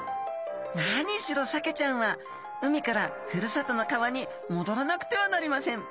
何しろサケちゃんは海からふるさとの川にもどらなくてはなりません。